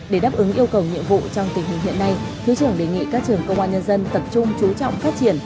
để đáp ứng yêu cầu nhiệm vụ trong tình hình hiện nay thứ trưởng đề nghị các trường công an nhân dân tập trung chú trọng phát triển